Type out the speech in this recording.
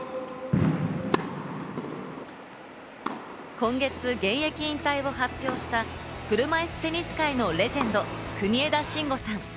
今月、現役引退を発表した車いすテニス界のレジェンド・国枝慎吾さん。